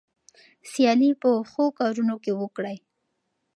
سیالي په ښو کارونو کې وکړئ.